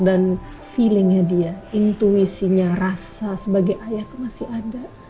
feelingnya dia intuisinya rasa sebagai ayah itu masih ada